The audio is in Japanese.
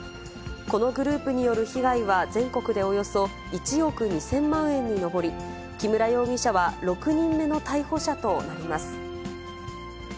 このグループによる被害は全国でおよそ１億２０００万円に上り、木村容疑者は６人目の逮捕者となります。